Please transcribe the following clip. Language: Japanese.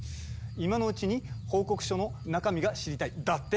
「今のうちに報告書の中身が知りたい」だって？